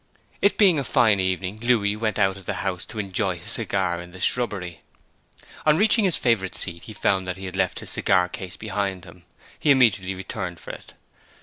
It being a fine evening Louis went out of the house to enjoy his cigar in the shrubbery. On reaching his favourite seat he found he had left his cigar case behind him; he immediately returned for it.